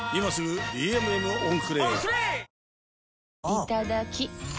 いただきっ！